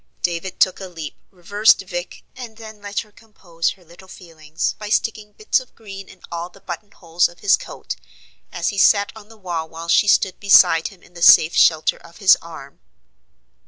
David took a leap, reversed Vic, and then let her compose her little feelings by sticking bits of green in all the button holes of his coat, as he sat on the wall while she stood beside him in the safe shelter of his arm.